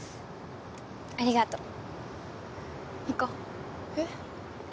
ありがとう行こうえっえ